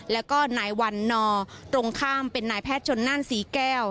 แล้วก็นายวันนอร์ตรงข้ามเป็นนายแพทย์ชนนั่นศรีแก้ว